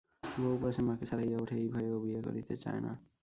বউ পাছে মাকে ছাড়াইয়া উঠে, এই ভয়ে ও বিয়ে করিতে চায় না।